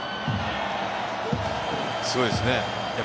すごいですね。